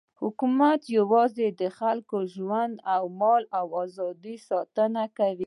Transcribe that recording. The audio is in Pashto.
حکومت یوازې د خلکو د ژوند، مال او ازادۍ ساتنه کوي.